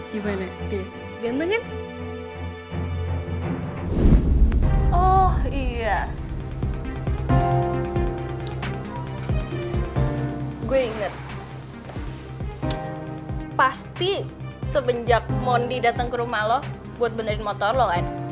gimana deh gantengin oh iya gue inget pasti semenjak mondi datang ke rumah lo buat benerin motor lo kan